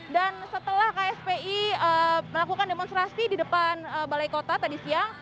dan setelah kspi melakukan demonstrasi di depan balai kota tadi siang